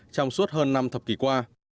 trong suốt hơn năm thập kỷ qua